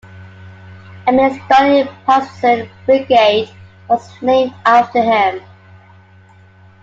A Macedonian Partisan Brigade was named after him.